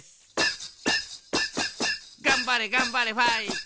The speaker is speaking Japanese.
がんばれがんばれファイト！